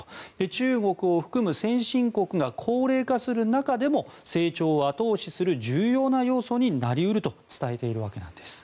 中国を含む先進国が高齢化する中でも成長を後押しする重要な要素になり得ると伝えています。